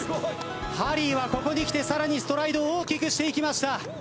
ハリーはここにきてさらにストライドを大きくしていきました。